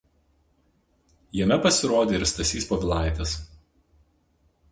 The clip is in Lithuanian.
Jame pasirodė ir Stasys Povilaitis.